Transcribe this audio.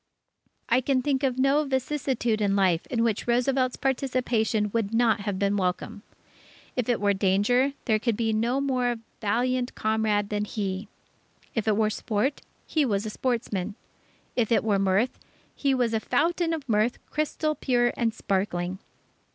I can think of no vicissitude in life in which Roosevelt's participation would not have been welcome. If it were danger, there could be no more valiant comrade than he. If it were sport, he was a sportsman. If it were mirth, he was a fountain of mirth, crystal pure and sparkling....